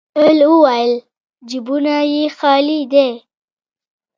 بل وويل: جيبونه يې خالي دی.